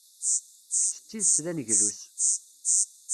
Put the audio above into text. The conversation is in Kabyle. Kečč d tidet d aneglus!